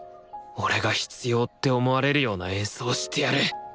俺が必要って思われるような演奏をしてやる！